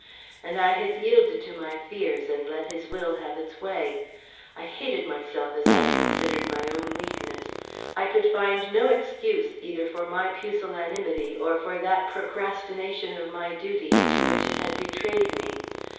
And I had yielded to my fears and let his will have its way. I hated myself as I considered my own weakness. I could find no excuse either for my pusillanimity or for that procrastination of my duty into which it had betrayed me.